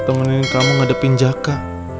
temenin kamu ngadepin jaka